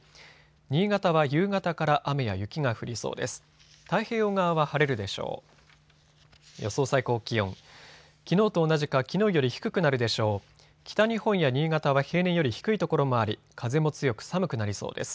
新潟は夕方から雨や雪が降りそうです。